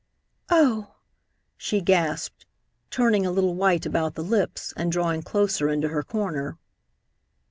"Oh!" she gasped, turning a little white about the lips, and drawing closer into her corner.